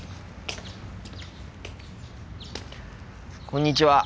こんにちは。